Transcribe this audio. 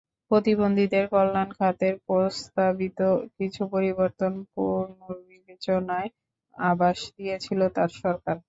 প্রতিবন্ধীদের কল্যাণ খাতের প্রস্তাবিত কিছু পরিবর্তন পুনর্বিবেচনার আভাস দিয়েছিল তাঁর সরকার।